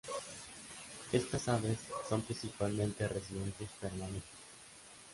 Estas aves son principalmente residentes permanentes.